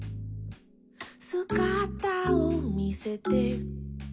「すがたをみせて」